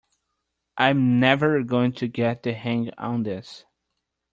I’m never going to get the hang of this.